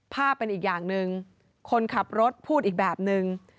เป็นอีกอย่างหนึ่งคนขับรถพูดอีกแบบนึง